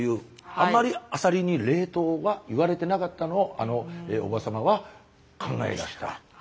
あまりアサリに冷凍は言われてなかったのをあのおばさまは考え出した。